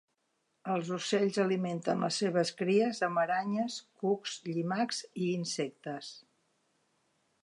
Els ocells alimenten les seves cries amb aranyes, cucs, llimacs i insectes.